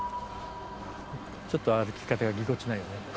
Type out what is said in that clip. ちょっと歩き方がぎこちないね。